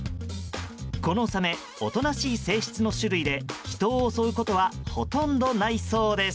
このサメおとなしい性質の種類で人を襲うことはほとんどないそうです。